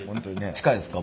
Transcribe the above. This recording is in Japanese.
近いですか？